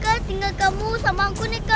kak tinggal kamu sama aku nih kak